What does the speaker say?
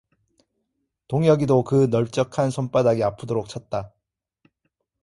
동혁이도 그 넓적한 손바닥이 아프도록 쳤다.